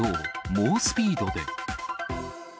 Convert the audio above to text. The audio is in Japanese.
猛スピードで。